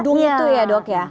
gedung itu ya dok ya